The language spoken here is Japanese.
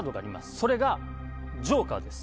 それがジョーカーです。